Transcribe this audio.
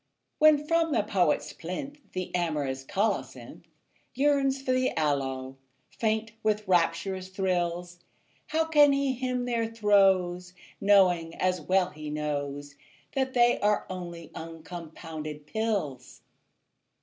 When from the poet's plinth The amorous colocynth Yearns for the aloe, faint with rapturous thrills, How can he hymn their throes Knowing, as well he knows, That they are only uncompounded pills?